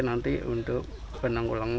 nanti untuk penanggulangan